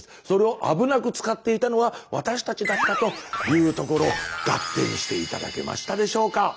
それを危なく使っていたのは私たちだったというところガッテンして頂けましたでしょうか？